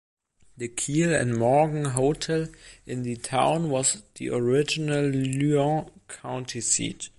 The Kiel and Morgan Hotel in the town was the original Lyon County seat.